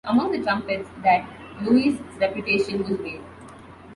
Among the Trumpets, that Lewis's reputation was made.